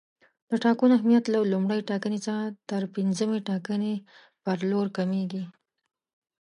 د ټاکنو اهمیت له لومړۍ ټاکنې څخه تر پنځمې ټاکنې پر لور کمیږي.